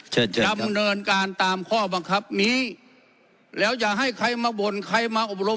เชิญเชิญครับจำเนินการตามข้อบังคับนี้แล้วจะให้ใครมาบ่นใครมาอบรม